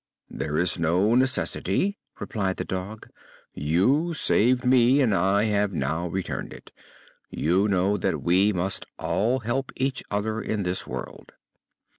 "There is no necessity," replied the dog. "You saved me and I have now returned it. You know that we must all help each other in this world."